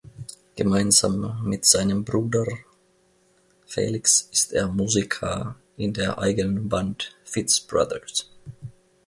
Gemeinsam mit seinem Bruder Felix ist er Musiker in der eigenen Band „Fitz Brothers“.